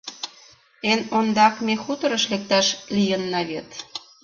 Эн ондак ме хуторыш лекташ лийынна вет.